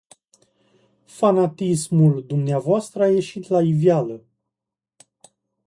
Fanatismul dvs. a ieșit la iveală.